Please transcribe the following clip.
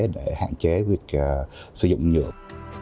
để hạn chế việc sử dụng nhựa